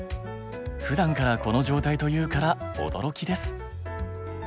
ふだんからこの状態というから驚きです。